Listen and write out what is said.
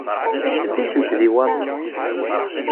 Anda ay ten-tdiwaḍ?